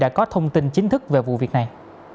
đã có thông tin chính thức về vụ việc này